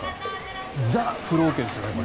ザ・風呂桶ですよね。